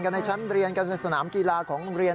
ในชั้นเรียนกันในสนามกีฬาของโรงเรียน